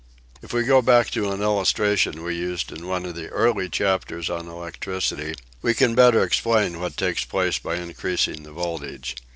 If we go back to an illustration we used in one of the early chapters on electricity we can better explain what takes place by increasing the voltage.